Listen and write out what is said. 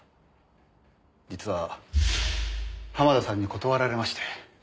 実は濱田さんに断られまして。